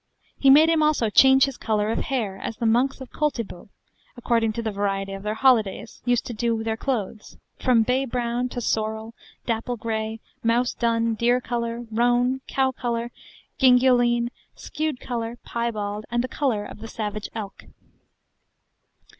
He made him also change his colour of hair, as the monks of Coultibo (according to the variety of their holidays) use to do their clothes, from bay brown, to sorrel, dapple grey, mouse dun, deer colour, roan, cow colour, gingioline, skewed colour, piebald, and the colour of the savage elk.